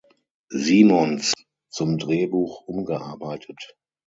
Simonds zum Drehbuch umgearbeitet.